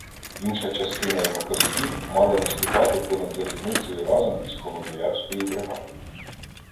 Інша частина його козаків мала наступати понад залізницею разом із Холодноярською бригадою.